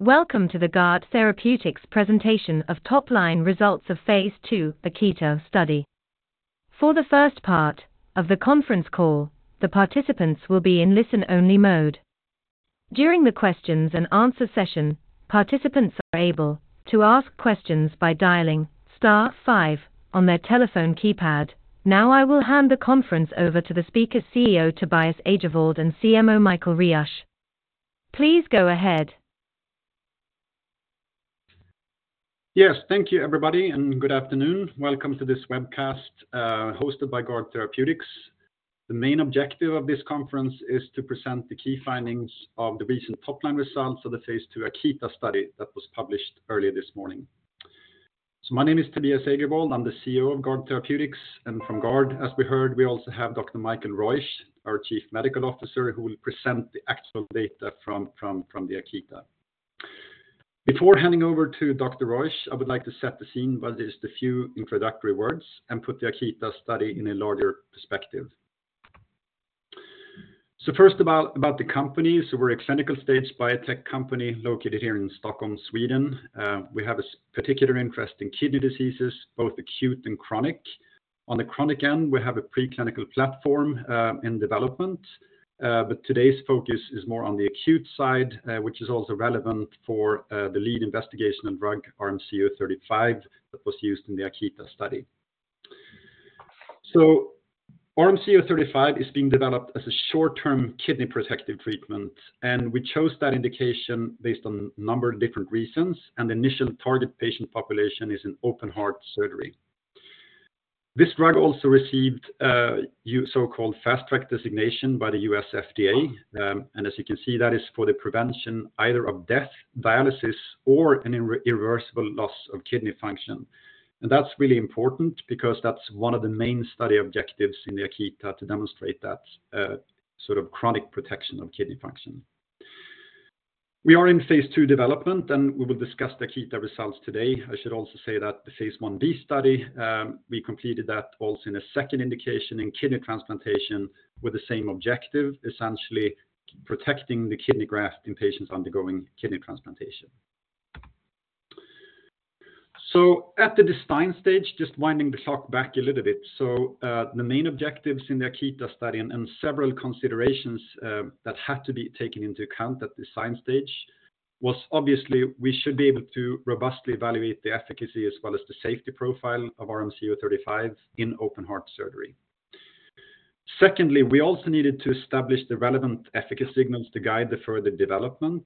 Welcome to the Guard Therapeutics presentation of top-line results of Phase II AKITA study. For the first part of the conference call, the participants will be in listen-only mode. During the questions and answer session, participants are able to ask questions by dialing star five on their telephone keypad. Now, I will hand the conference over to the speakers, CEO Tobias Agervald and CMO Michael Reusch. Please go ahead. Yes, thank you, everybody, and good afternoon. Welcome to this webcast hosted by Guard Therapeutics. The main objective of this conference is to present the key findings of the recent top-line results of the Phase II AKITA study that was published earlier this morning. So my name is Tobias Agervald, I'm the CEO of Guard Therapeutics, and from Guard, as we heard, we also have Dr. Michael Reusch, our Chief Medical Officer, who will present the actual data from the AKITA. Before handing over to Dr. Reusch, I would like to set the scene by just a few introductory words and put the AKITA study in a larger perspective. So first about the company. So we're a clinical-stage biotech company located here in Stockholm, Sweden. We have a particular interest in kidney diseases, both acute and chronic. On the chronic end, we have a preclinical platform in development, but today's focus is more on the acute side, which is also relevant for the lead investigational drug, RMC-035, that was used in the AKITA study. So RMC-035 is being developed as a short-term kidney protective treatment, and we chose that indication based on a number of different reasons, and the initial target patient population is an open-heart surgery. This drug also received a so-called Fast Track Designation by the U.S. FDA. And as you can see, that is for the prevention either of death, dialysis, or an irreversible loss of kidney function. And that's really important because that's one of the main study objectives in the AKITA to demonstrate that sort of chronic protection of kidney function. We are in Phase 2 development, and we will discuss the AKITA results today. I should also say that the Phase 1b study, we completed that also in a second indication in kidney transplantation with the same objective, essentially protecting the kidney graft in patients undergoing kidney transplantation. At the design stage, just winding the clock back a little bit. The main objectives in the AKITA study and several considerations that have to be taken into account at the design stage was, obviously, we should be able to robustly evaluate the efficacy as well as the safety profile of RMC-035 in open-heart surgery. Secondly, we also needed to establish the relevant efficacy signals to guide the further development.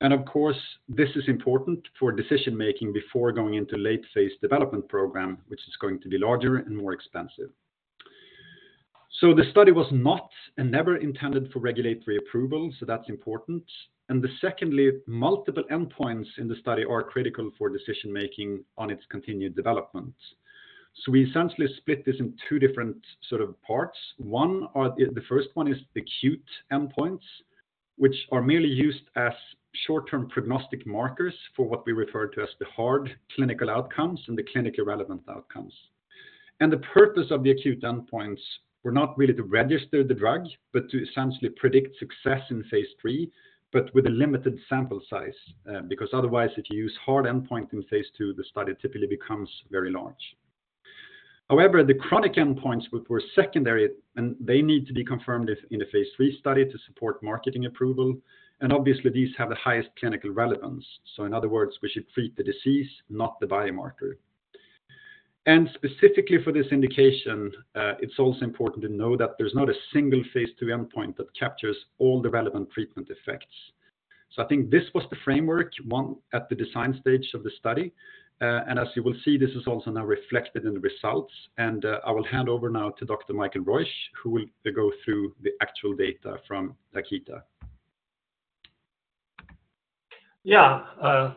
Of course, this is important for decision making before going into late phase development program, which is going to be larger and more expensive. The study was not and never intended for regulatory approval, so that's important. Secondly, multiple endpoints in the study are critical for decision making on its continued development. We essentially split this in two different sort of parts. One, or the first one, is the acute endpoints, which are merely used as short-term prognostic markers for what we refer to as the hard clinical outcomes and the clinical relevant outcomes. The purpose of the acute endpoints were not really to register the drug, but to essentially predict success in Phase 3, but with a limited sample size. Because otherwise, if you use hard endpoint in Phase 2, the study typically becomes very large. However, the chronic endpoints, which were secondary, and they need to be confirmed if in the Phase 3 study to support marketing approval, and obviously, these have the highest clinical relevance. So in other words, we should treat the disease, not the biomarker. And specifically for this indication, it's also important to know that there's not a single Phase 2 endpoint that captures all the relevant treatment effects. So I think this was the framework, one, at the design stage of the study, and as you will see, this is also now reflected in the results. And, I will hand over now to Dr. Michael Reusch, who will go through the actual data from AKITA. Yeah,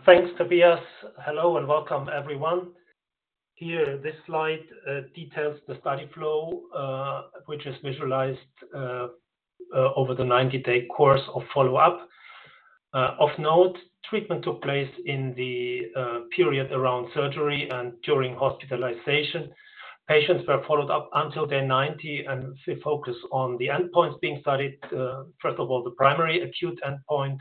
thanks, Tobias. Hello, and welcome, everyone. Here, this slide details the study flow, which is visualized over the 90-day course of follow-up. Of note, treatment took place in the period around surgery and during hospitalization. Patients were followed up until day 90, and we focus on the endpoints being studied. First of all, the primary acute endpoint,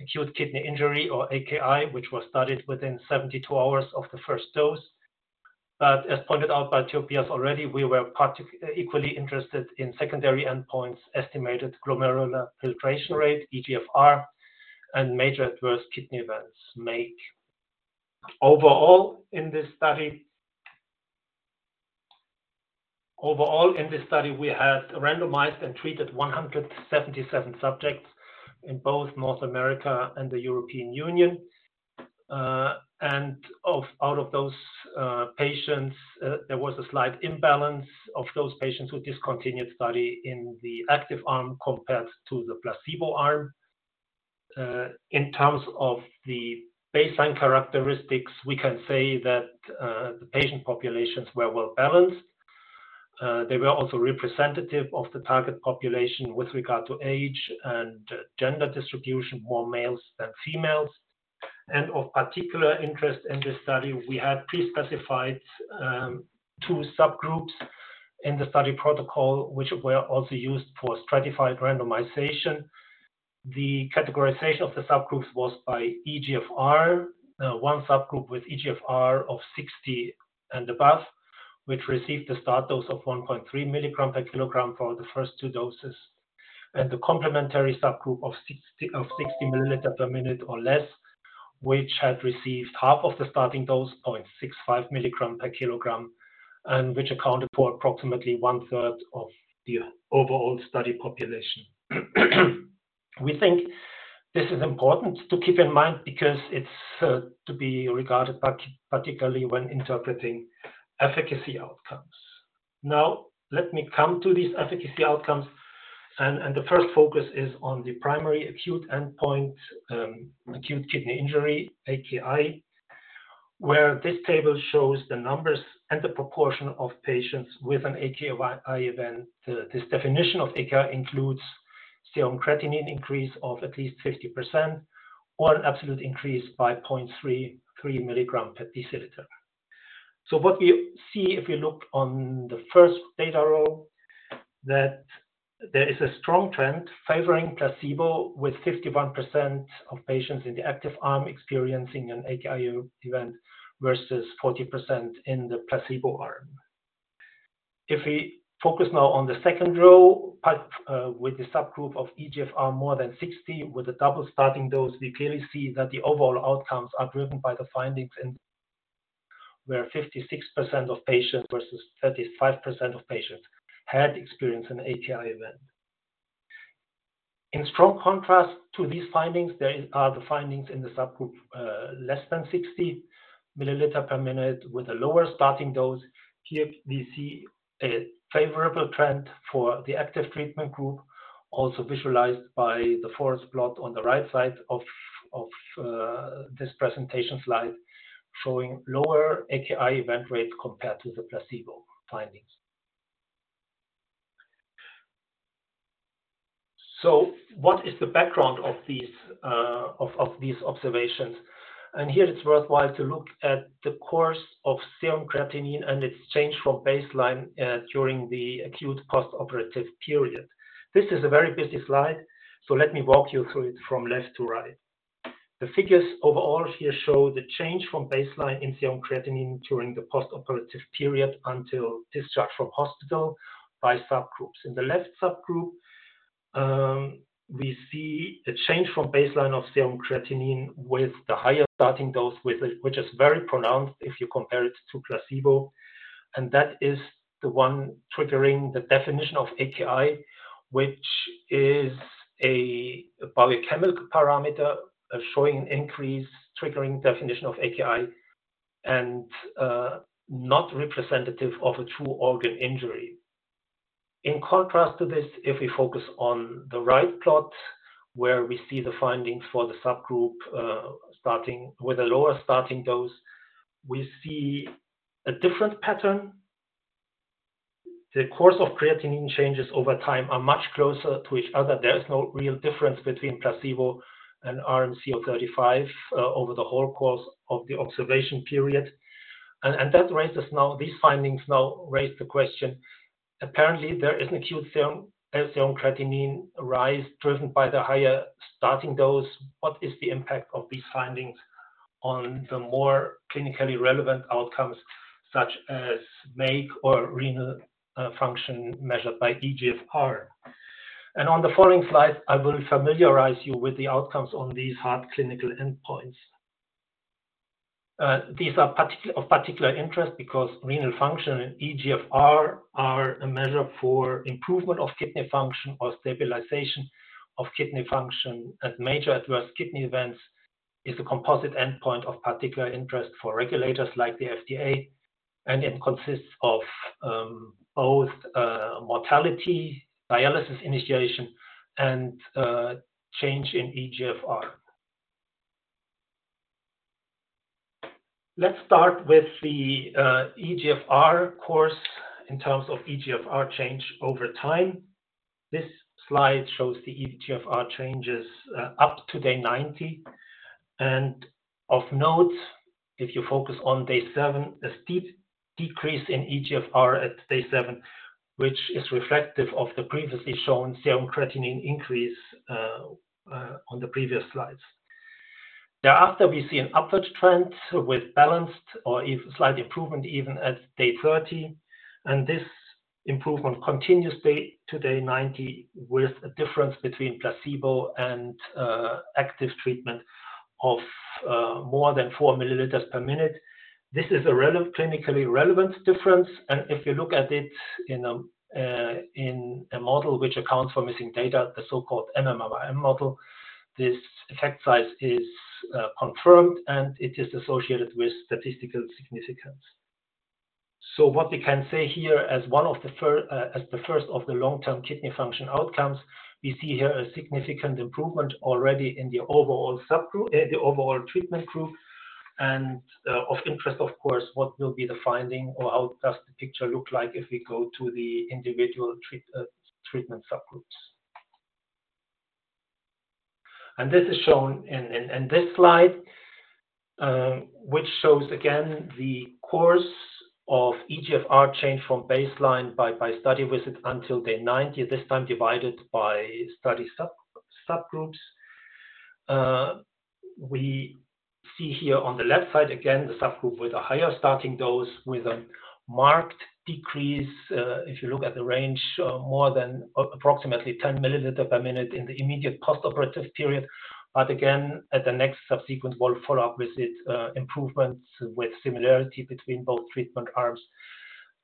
acute kidney injury or AKI, which was studied within 72 hours of the first dose. But as pointed out by Tobias already, we were equally interested in secondary endpoints, estimated glomerular filtration rate, eGFR, and Major Adverse Kidney Events, MAKE. Overall, in this study, we had randomized and treated 177 subjects in both North America and the European Union. Out of those patients, there was a slight imbalance of those patients who discontinued study in the active arm compared to the placebo arm. In terms of the baseline characteristics, we can say that the patient populations were well balanced. They were also representative of the target population with regard to age and gender distribution, more males than females, and of particular interest in this study, we had pre-specified two subgroups in the study protocol, which were also used for stratified randomization. The categorization of the subgroups was by eGFR. One subgroup with eGFR of 60 and above, which received a start dose of 1.3 milligram per kilogram for the first two doses. The complementary subgroup of 60, of 60 milliliter per minute or less, which had received half of the starting dose, 0.65 milligram per kilogram, and which accounted for approximately one-third of the overall study population. We think this is important to keep in mind because it's, you know, to be regarded part particularly when interpreting efficacy outcomes. Now, let me come to these efficacy outcomes, and the first focus is on the primary acute endpoint, acute kidney injury, AKI, where this table shows the numbers and the proportion of patients with an AKI event. This definition of AKI includes serum creatinine increase of at least 50%, or an absolute increase by 0.33 milligram per deciliter. What we see, if we look on the first data row, is that there is a strong trend favoring placebo, with 51% of patients in the active arm experiencing an AKI event, versus 40% in the placebo arm. If we focus now on the second row, with the subgroup of eGFR more than 60, with a double starting dose, we clearly see that the overall outcomes are driven by the findings where 56% of patients versus 35% of patients had experienced an AKI event. In strong contrast to these findings, there are the findings in the subgroup less than 60 milliliter per minute with a lower starting dose. Here, we see a favorable trend for the active treatment group, also visualized by the forest plot on the right side of, of, this presentation slide, showing lower AKI event rate compared to the placebo findings. So what is the background of these, of, of these observations? And here, it's worthwhile to look at the course of serum creatinine and its change from baseline, during the acute postoperative period. This is a very busy slide, so let me walk you through it from left to right. The figures overall here show the change from baseline in serum creatinine during the postoperative period until discharge from hospital by subgroups. In the left subgroup, we see a change from baseline of serum creatinine with the higher starting dose, with which is very pronounced if you compare it to placebo, and that is the one triggering the definition of AKI, which is a biochemical parameter showing an increase, triggering definition of AKI and not representative of a true organ injury. In contrast to this, if we focus on the right plot, where we see the findings for the subgroup starting with a lower starting dose, we see a different pattern. The course of creatinine changes over time are much closer to each other. There is no real difference between placebo and RMC-035 over the whole course of the observation period. These findings now raise the question: apparently, there is an acute serum creatinine rise driven by the higher starting dose. What is the impact of these findings on the more clinically relevant outcomes, such as MAKE or renal function measured by eGFR? On the following slide, I will familiarize you with the outcomes on these hard clinical endpoints. These are of particular interest because renal function and eGFR are a measure for improvement of kidney function or stabilization of kidney function. Major Adverse Kidney Events is a composite endpoint of particular interest for regulators like the FDA, and it consists of both mortality, dialysis initiation, and change in eGFR. Let's start with the eGFR course in terms of eGFR change over time. This slide shows the eGFR changes up to day 90. Of note, if you focus on day 7, a steep decrease in eGFR at day 7, which is reflective of the previously shown serum creatinine increase on the previous slides. Thereafter, we see an upward trend with balanced or even slight improvement even at day 30, and this improvement continues day to day 90, with a difference between placebo and active treatment of more than 4 milliliters per minute. This is a relevant, clinically relevant difference, and if you look at it in a in a model which accounts for missing data, the so-called MMRM model, this effect size is confirmed, and it is associated with statistical significance. What we can say here as one of the first of the long-term kidney function outcomes, we see here a significant improvement already in the overall subgroup, the overall treatment group. Of interest, of course, what will be the finding or how does the picture look like if we go to the individual treatment subgroups? This is shown in this slide, which shows again the course of eGFR change from baseline by study visit until day 90, this time divided by study subgroups. We see here on the left side, again, the subgroup with a higher starting dose, with a marked decrease. If you look at the range, more than approximately 10 milliliter per minute in the immediate post-operative period. But again, at the next subsequent well follow-up visit, improvements with similarity between both treatment arms,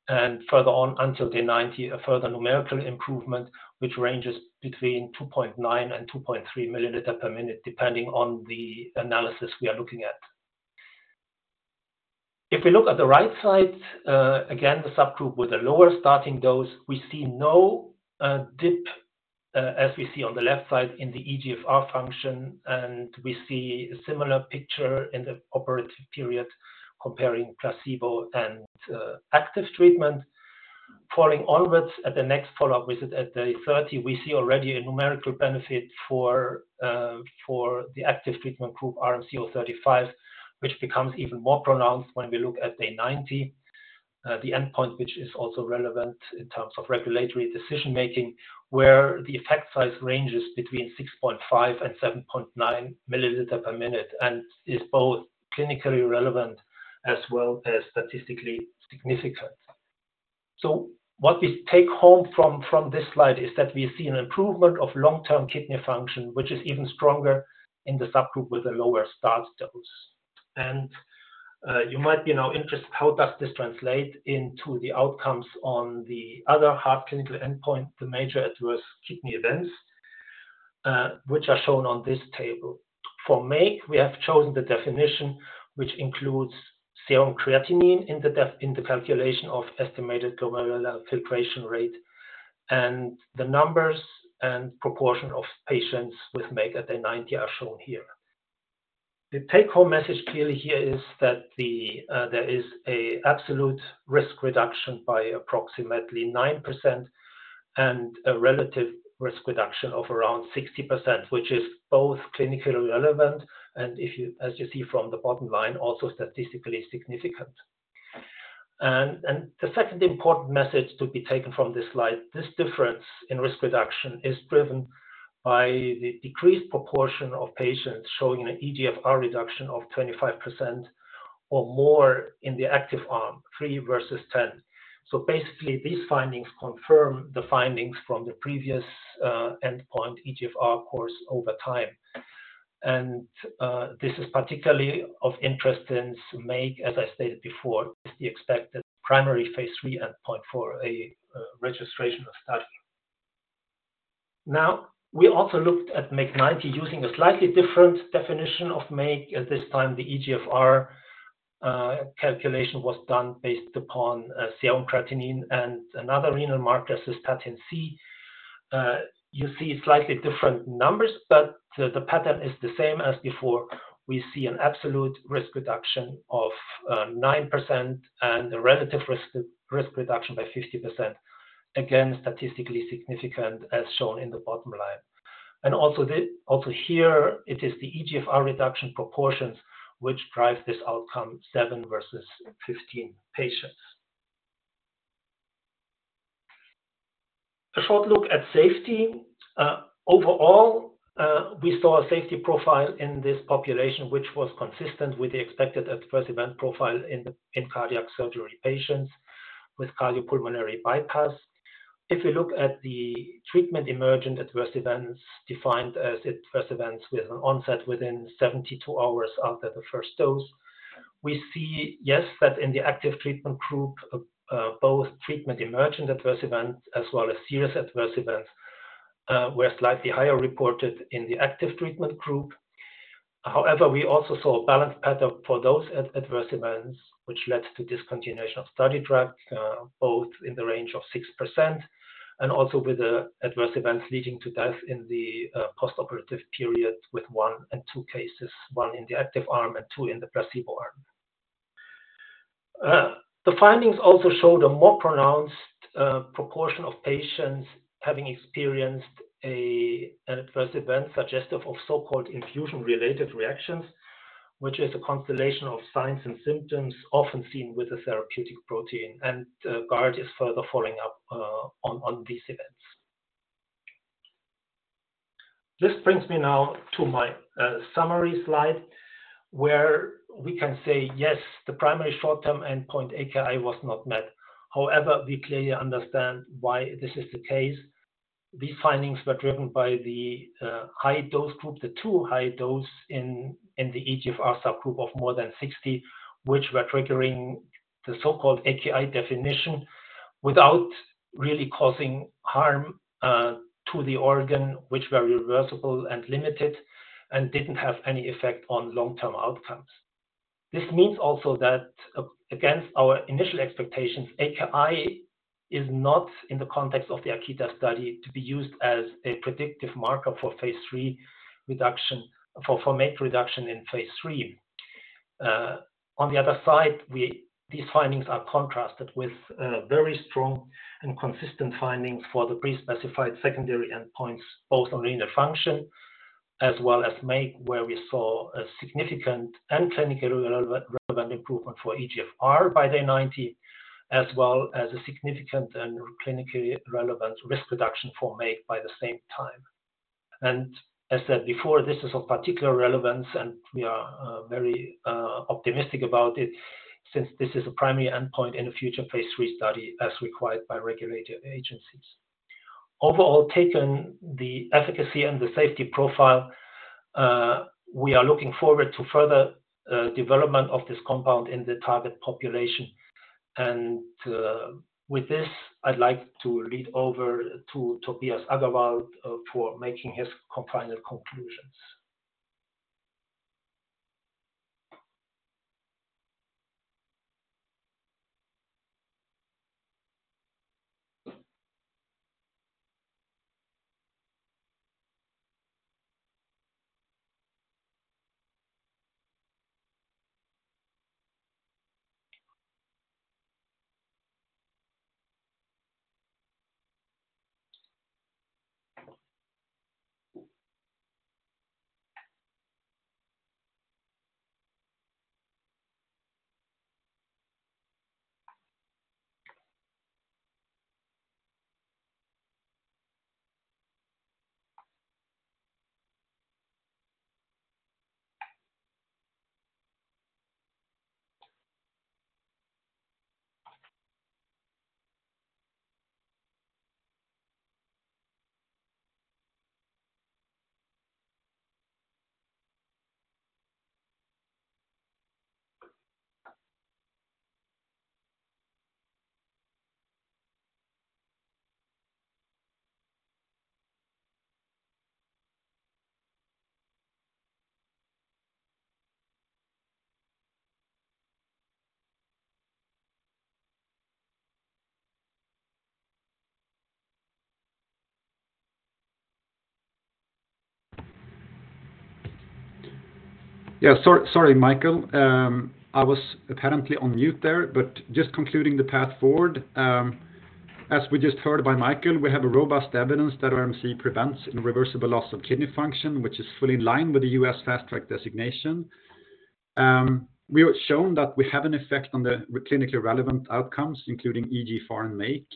and further on until day 90, a further numerical improvement, which ranges between 2.9 and 2.3 mL/min, depending on the analysis we are looking at. If we look at the right side, again, the subgroup with a lower starting dose, we see no dip as we see on the left side in the eGFR function, and we see a similar picture in the operative period comparing placebo and active treatment. Following onwards at the next follow-up visit at day 30, we see already a numerical benefit for the active treatment group, RMC-035, which becomes even more pronounced when we look at day 90. The endpoint, which is also relevant in terms of regulatory decision-making, where the effect size ranges between 6.5-7.9 milliliter per minute, and is both clinically relevant as well as statistically significant. So what we take home from this slide is that we see an improvement of long-term kidney function, which is even stronger in the subgroup with a lower start dose. You might be now interested, how does this translate into the outcomes on the other hard clinical endpoint, the major adverse kidney events, which are shown on this table. For MAKE, we have chosen the definition, which includes serum creatinine in the calculation of estimated glomerular filtration rate, and the numbers and proportion of patients with MAKE at day 90 are shown here. The take-home message clearly here is that there is a absolute risk reduction by approximately 9% and a relative risk reduction of around 60%, which is both clinically relevant and if you, as you see from the bottom line, also statistically significant. And the second important message to be taken from this slide, this difference in risk reduction is driven by the decreased proportion of patients showing an eGFR reduction of 25% or more in the active arm, 3 versus 10. So basically, these findings confirm the findings from the previous endpoint, eGFR course over time. This is particularly of interest in MAKE, as I stated before, the expected primary Phase 3 endpoint for a registration of study. Now, we also looked at MAKE 90 using a slightly different definition of MAKE. At this time, the eGFR calculation was done based upon serum creatinine and another renal marker, Cystatin C. You see slightly different numbers, but the pattern is the same as before. We see an absolute risk reduction of 9% and a relative risk reduction by 50%. Again, statistically significant, as shown in the bottom line. And also here, it is the eGFR reduction proportions which drive this outcome, 7 versus 15 patients. A short look at safety. Overall, we saw a safety profile in this population, which was consistent with the expected adverse event profile in the cardiac surgery patients with cardiopulmonary bypass. If you look at the treatment-emergent adverse events, defined as adverse events with an onset within 72 hours after the first dose, we see, yes, that in the active treatment group, both treatment-emergent adverse events as well as serious adverse events were slightly higher reported in the active treatment group. However, we also saw a balanced for those adverse events, which led to discontinuation of study drug, both in the range of 6% and also with the adverse events leading to death in the postoperative period, with 1 and 2 cases, 1 in the active arm and 2 in the placebo arm. The findings also showed a more pronounced proportion of patients having experienced an adverse event suggestive of so-called infusion-related reactions, which is a constellation of signs and symptoms often seen with a therapeutic protein, and Guard is further following up on these events. This brings me now to my summary slide, where we can say, yes, the primary short-term endpoint, AKI, was not met. However, we clearly understand why this is the case. These findings were driven by the high dose group, the too high dose in the eGFR subgroup of more than 60, which were triggering the so-called AKI definition without really causing harm to the organ, which were reversible and limited, and didn't have any effect on long-term outcomes. This means also that against our initial expectations, AKI is not, in the context of the AKITA study, to be used as a predictive marker for Phase 3 reduction—for MAKE reduction in Phase 3. On the other side, these findings are contrasted with very strong and consistent findings for the pre-specified secondary endpoints, both on renal function as well as MAKE, where we saw a significant and clinically relevant improvement for eGFR by day 90, as well as a significant and clinically relevant risk reduction for MAKE by the same time. And as said before, this is of particular relevance, and we are very optimistic about it, since this is a primary endpoint in a future Phase 3 study, as required by regulatory agencies. Overall, taken the efficacy and the safety profile, we are looking forward to further development of this compound in the target population. And, with this, I'd like to lead over to Tobias Agervald for making his final conclusions. Yeah, sorry, Michael. I was apparently on mute there, but just concluding the path forward. As we just heard by Michael, we have a robust evidence that RMC prevents irreversible loss of kidney function, which is fully in line with the U.S. Fast Track Designation. We have shown that we have an effect on the clinically relevant outcomes, including eGFR and MAKE.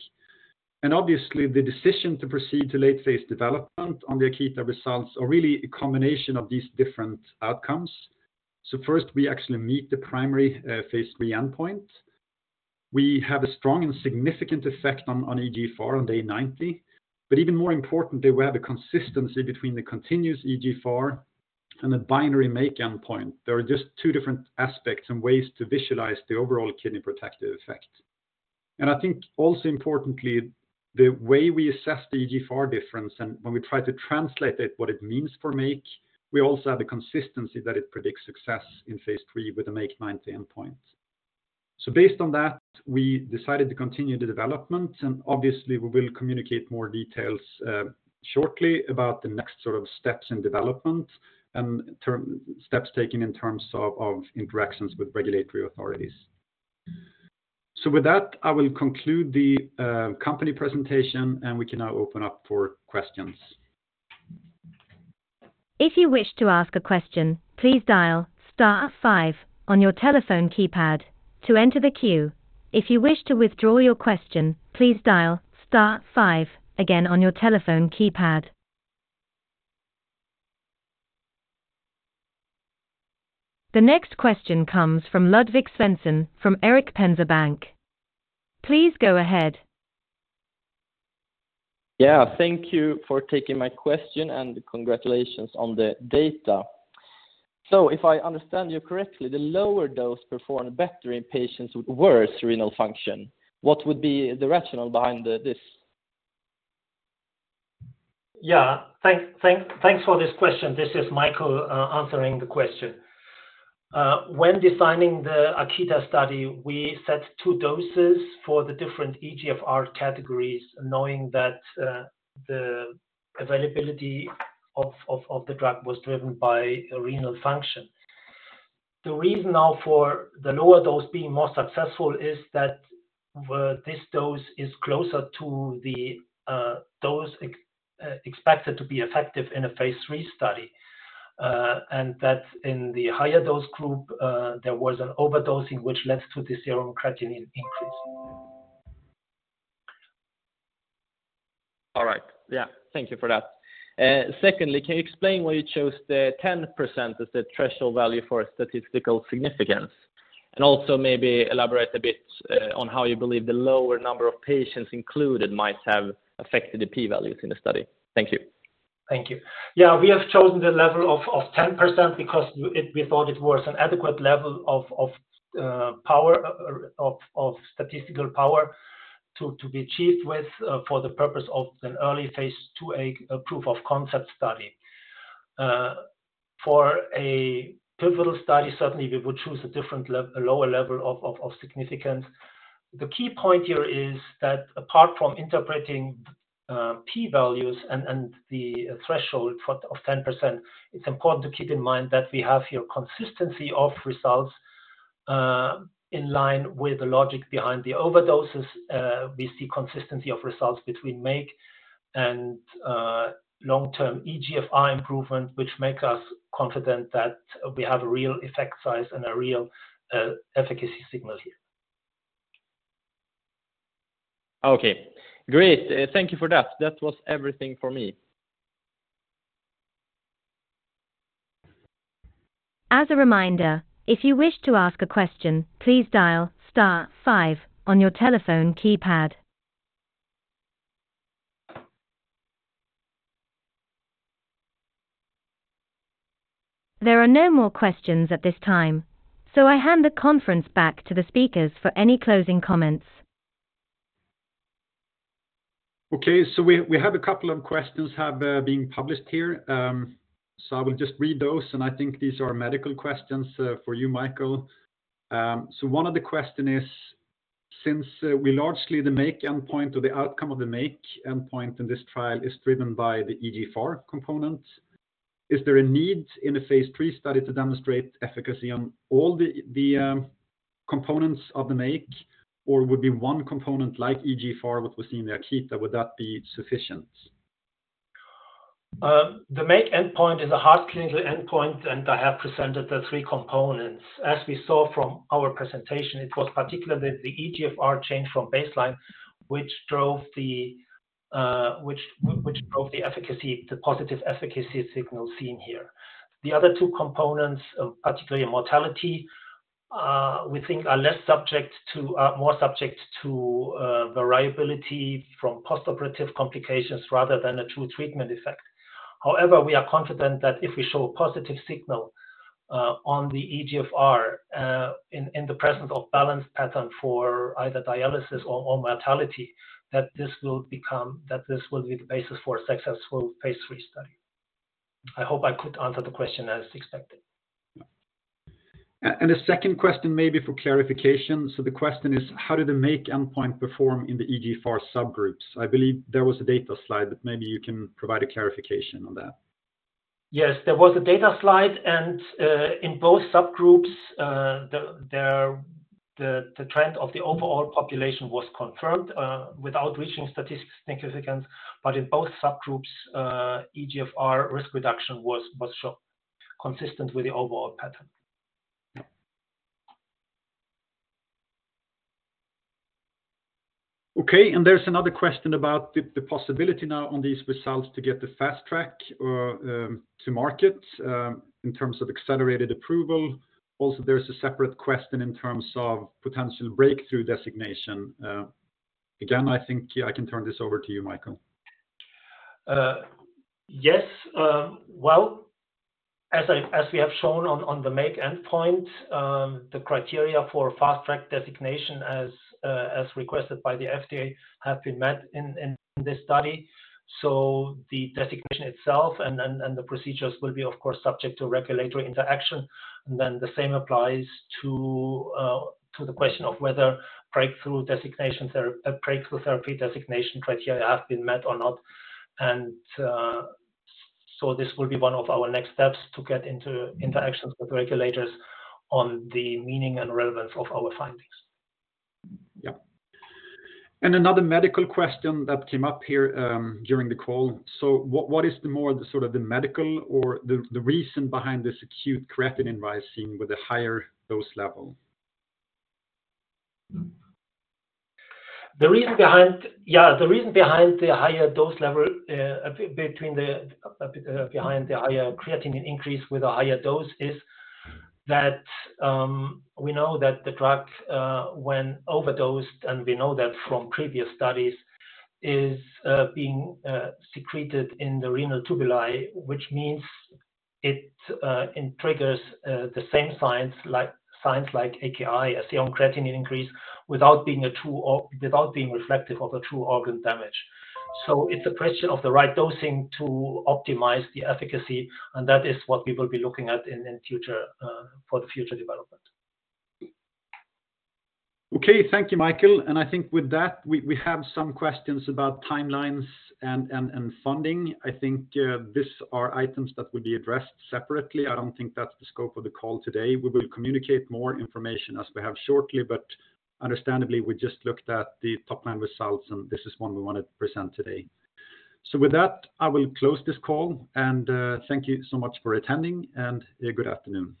And obviously, the decision to proceed to late phase development on the AKITA results are really a combination of these different outcomes. So first, we actually meet the primary Phase 3 endpoint. We have a strong and significant effect on eGFR on day 90, but even more importantly, we have a consistency between the continuous eGFR and the binary MAKE endpoint. There are just two different aspects and ways to visualize the overall kidney protective effect. I think also importantly, the way we assess the eGFR difference, and when we try to translate it, what it means for MAKE, we also have the consistency that it predicts success in Phase 3 with the MAKE90 endpoint. So based on that, we decided to continue the development, and obviously, we will communicate more details shortly about the next sort of steps in development and steps taken in terms of interactions with regulatory authorities. So with that, I will conclude the company presentation, and we can now open up for questions. If you wish to ask a question, please dial star five on your telephone keypad to enter the queue. If you wish to withdraw your question, please dial star five again on your telephone keypad. The next question comes from Ludvig Svensson, from Erik Penser Bank. Please go ahead. Yeah, thank you for taking my question, and congratulations on the data. So if I understand you correctly, the lower dose performed better in patients with worse renal function. What would be the rationale behind this? Yeah. Thanks for this question. This is Michael answering the question. When designing the AKITA study, we set two doses for the different eGFR categories, knowing that the availability of the drug was driven by renal function. The reason now for the lower dose being more successful is that this dose is closer to the dose expected to be effective in a Phase 3 study, and that in the higher dose group there was an overdosing, which led to the serum creatinine increase. All right. Yeah. Thank you for that. Secondly, can you explain why you chose the 10% as the threshold value for statistical significance? And also maybe elaborate a bit on how you believe the lower number of patients included might have affected the P values in the study. Thank you. Thank you. Yeah, we have chosen the level of 10% because we, it, we thought it was an adequate level of power of statistical power to be achieved with for the purpose of an early Phase 2a proof of concept study. For a pivotal study, certainly, we would choose a different a lower level of significance. The key point here is that apart from interpreting p-values and the threshold for 10%, it's important to keep in mind that we have here consistency of results in line with the logic behind the overdoses. We see consistency of results between MAKE and long-term eGFR improvement, which make us confident that we have a real effect size and a real efficacy signal here. Okay, great. Thank you for that. That was everything for me. As a reminder, if you wish to ask a question, please dial star five on your telephone keypad. There are no more questions at this time, so I hand the conference back to the speakers for any closing comments. Okay, so we have a couple of questions have been published here. So I will just read those, and I think these are medical questions for you, Michael. So one of the question is, since we largely the MAKE endpoint or the outcome of the MAKE endpoint in this trial is driven by the eGFR component, is there a need in a Phase 3 study to demonstrate efficacy on all the components of the MAKE, or would be one component like eGFR, what we see in the AKITA, would that be sufficient? The MAKE endpoint is a hard clinical endpoint, and I have presented the three components. As we saw from our presentation, it was particularly the eGFR change from baseline, which drove the efficacy, the positive efficacy signal seen here. The other two components, particularly mortality, we think are less subject to, more subject to, variability from post-operative complications rather than a true treatment effect. However, we are confident that if we show a positive signal on the eGFR, in the presence of balanced pattern for either dialysis or mortality, that this will be the basis for a successful Phase 3 study. I hope I could answer the question as expected. A second question, maybe for clarification. The question is, how did the MAKE endpoint perform in the eGFR subgroups? I believe there was a data slide, but maybe you can provide a clarification on that. Yes, there was a data slide, and in both subgroups, the trend of the overall population was confirmed without reaching statistical significance. But in both subgroups, eGFR risk reduction was shown consistent with the overall pattern. Okay, and there's another question about the possibility now on these results to get the fast track to market in terms of accelerated approval. Also, there's a separate question in terms of potential breakthrough designation. Again, I think I can turn this over to you, Michael. Yes. Well, as we have shown on the MAKE endpoint, the criteria for Fast Track Designation as requested by the FDA have been met in this study. So the designation itself and then the procedures will be, of course, subject to regulatory interaction. And then the same applies to the question of whether breakthrough designations, a Breakthrough Therapy Designation criteria have been met or not. And so this will be one of our next steps to get into interactions with regulators on the meaning and relevance of our findings. Yep. Another medical question that came up here during the call. So what, what is the more, sort of the medical or the, the reason behind this acute creatinine rise seen with a higher dose level? The reason behind, yeah, the reason behind the higher dose level, between the, behind the higher creatinine increase with a higher dose is that we know that the drug, when overdosed, and we know that from previous studies, is being secreted in the renal tubuli, which means it triggers the same signs, like signs like AKI, a serum creatinine increase, without being a true or without being reflective of a true organ damage. It's a question of the right dosing to optimize the efficacy, and that is what we will be looking at in, in future, for the future development. Okay, thank you, Michael. And I think with that, we have some questions about timelines and funding. I think these are items that will be addressed separately. I don't think that's the scope of the call today. We will communicate more information as we have shortly, but understandably, we just looked at the top-line results, and this is one we wanted to present today. So with that, I will close this call, and thank you so much for attending, and good afternoon.